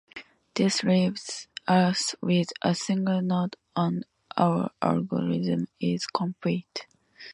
This leaves us with a single node and our algorithm is complete.